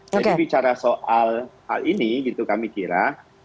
jadi bicara soal hal ini gitu kami kira